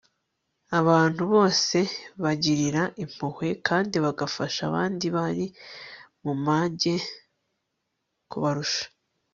abantu bose bagirira impuhwe kandi bagafasha abandi bari mu mage kubarusha